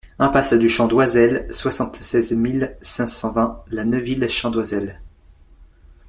Impasse du Chant d'Oisel, soixante-seize mille cinq cent vingt La Neuville-Chant-d'Oisel